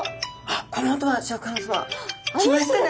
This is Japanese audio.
この音はシャーク香音さま！来ましたね